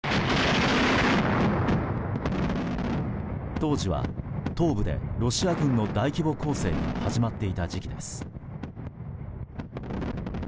当時は東部でロシア軍の大規模攻勢が始まっていた時期です。